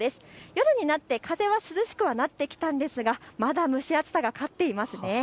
夜になって風が涼しくはなってきましたがまだ蒸し暑さが勝っています。